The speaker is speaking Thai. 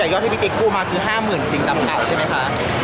ยอดที่ติ๊กกู้มาคือห้าหมื่นจริงตำแหน่งใช่ไหมคะ